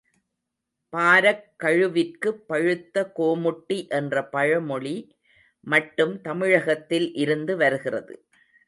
Barack கழுவிற்கு பழுத்த கோமுட்டி என்ற பழமொழி மட்டும் தமிழகத்தில் இருந்து வருகிறது.